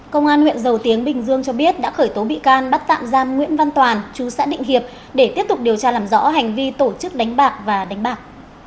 công an huyện dầu tiếng bình dương cho biết đã khởi tố bị can bắt tạm giam nguyễn văn toàn chú xã định hiệp để tiếp tục điều tra làm rõ hành vi tổ chức đánh bạc và đánh bạc